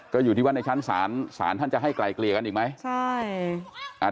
ก็อยู่ที่ว่าในชั้นศาลศาลท่านจะให้ไกลเกลี่ยกันอีกไหมใช่